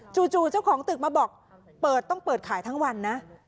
จู่เจ้าของตึกมาบอกเปิดต้องเปิดขายทั้งวันนะ